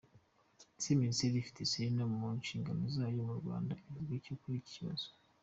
Ese Minisiter ifite Sinema mu nshingano zayo mu Rwanda ivuga iki kuri iki kibazo?.